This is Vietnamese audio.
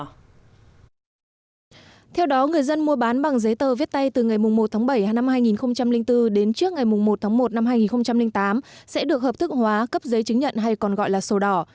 theo đó người dân mua bán bằng giấy tờ viết tay từ ngày một tháng bảy năm hai nghìn bốn đến trước ngày một tháng một năm hai nghìn tám sẽ được hợp thức hóa cấp giấy chứng nhận hay còn gọi là sổ đỏ